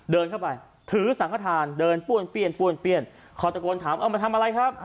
เดินเข้าไปถือสารกฐานเดินป้วนขอตะโกนถามเอามาทำอะไรครับ